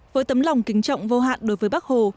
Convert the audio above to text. với tấm lòng kính trọng vô hạn đối với bác hồ